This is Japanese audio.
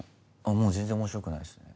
もう全然面白くないですね。